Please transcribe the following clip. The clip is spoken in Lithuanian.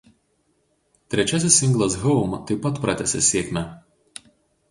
Trečiasis singlas „Home“ taip pat pratęsė sėkmę.